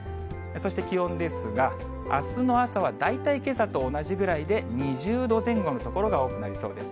そして気温ですが、あすの朝は大体けさと同じぐらいで、２０度前後の所が多くなりそうです。